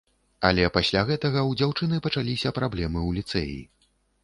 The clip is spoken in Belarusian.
Але пасля гэтага ў дзяўчыны пачаліся праблемы ў ліцэі.